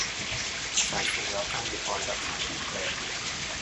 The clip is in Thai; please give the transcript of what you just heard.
ศาลสูงรับการอุทธรณ์จากศาลมณฑล